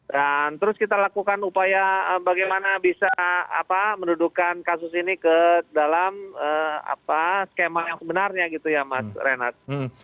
dan terus kita lakukan upaya bagaimana bisa mendudukkan kasus ini ke dalam skema yang sebenarnya gitu ya mas renat